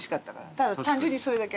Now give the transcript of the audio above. ただ単純にそれだけ。